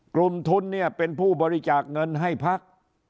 กลุ่มทุนเนี่ยเป็นผู้บริจาคเงินให้พัก